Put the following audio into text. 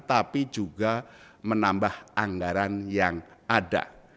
tapi juga menambah anggaran yang ada